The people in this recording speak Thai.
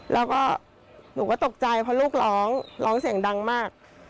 แล้วก็หนูก็ตกใจเพราะลูกร้องร้องเสียงดังมาก